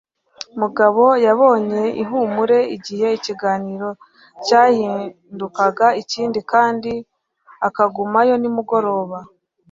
Mugabo yabonye ihumure igihe ikiganiro cyahindukaga ikindi kandi akagumayo nimugoroba.